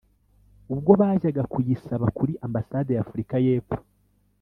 ubwo bajyaga kuyisaba kuri ambasade y’Afurika y’Epfo